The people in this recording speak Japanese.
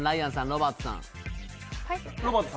ロバートさん？